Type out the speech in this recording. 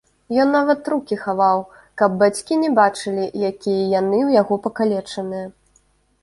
Ён нават рукі хаваў, каб бацькі не бачылі, якія яны ў яго пакалечаныя.